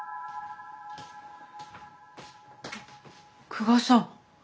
久我さん。